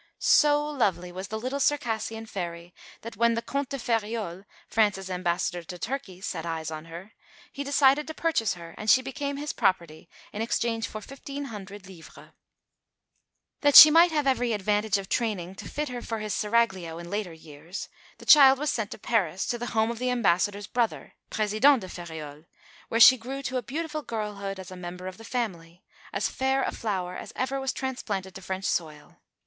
So lovely was the little Circassian fairy that when the Comte de Feriol, France's Ambassador to Turkey, set eyes on her, he decided to purchase her; and she became his property in exchange for fifteen hundred livres. That she might have every advantage of training to fit her for his seraglio in later years, the child was sent to Paris, to the home of the Ambassador's brother, President de Feriol, where she grew to beautiful girlhood as a member of the family, as fair a flower as ever was transplanted to French soil.